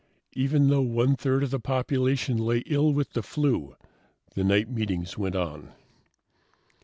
Even though one third of the population lay ill with the flu, the night meetings went on.